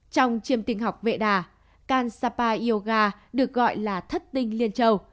trong chiêm tình học vệ đà kansapa yoga được gọi là thất tinh liên châu